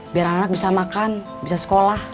biar anak anak bisa makan bisa sekolah